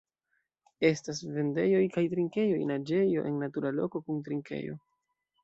Estas vendejoj kaj trinkejoj, naĝejo en natura loko kun trinkejo.